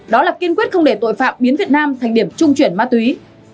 đó là kiên quyết không để tội phạm biến việt nam thành điểm trung chuyển ma túy